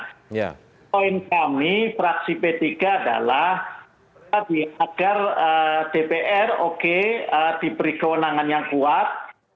nah poin kami fraksi p tiga adalah agar dpr oke diberi kewenangan yang kuat